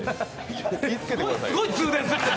気をつけてください。